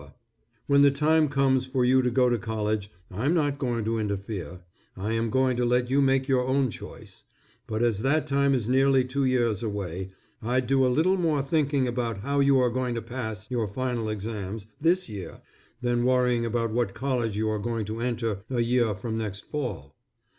When the time comes for you to go to college I'm not going to interfere, I am going to let you make your own choice; but as that time is nearly two years away, I'd do a little more thinking about how you are going to pass your final exams, this year, than worrying about what college you are going to enter a year from next fall.